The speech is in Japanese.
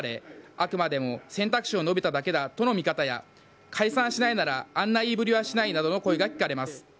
あくまでも選択肢を述べただけだとの見方や解散しないならあんな言いぶりはしないなどの声が聞かれます。